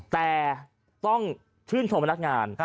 แต่ต้องชื่นชมพนักงาน